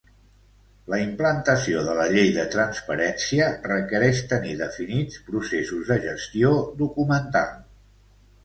La implantació de la llei de transparència requereix tenir definits processos de gestió documental.